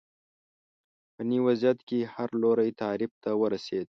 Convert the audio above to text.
په نوي وضعیت کې هر لوری تعریف ته ورسېد